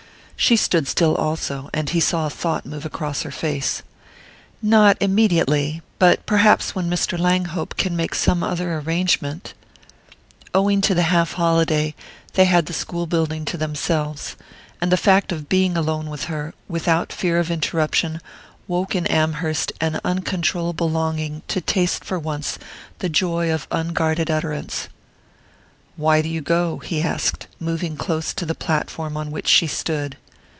She stood still also, and he saw a thought move across her face. "Not immediately but perhaps when Mr. Langhope can make some other arrangement " Owing to the half holiday they had the school building to themselves, and the fact of being alone with her, without fear of interruption, woke in Amherst an uncontrollable longing to taste for once the joy of unguarded utterance. "Why do you go?" he asked, moving close to the platform on which she stood.